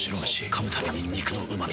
噛むたびに肉のうま味。